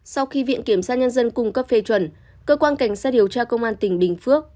sau khi viện kiểm sát nhân dân cung cấp phê chuẩn cơ quan cảnh sát điều tra công an tỉnh bình phước